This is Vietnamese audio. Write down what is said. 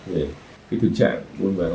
về cái tư trạng vun bắn lộn hóa giã